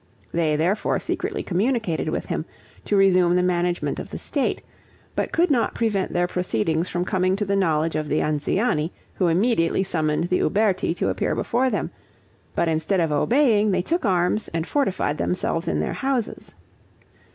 They, therefore, secretly communicated with him, to resume the management of the state, but could not prevent their proceedings from coming to the knowledge of the Anziani, who immediately summoned the Uberti to appear before them; but instead of obeying, they took arms and fortified themselves in their houses.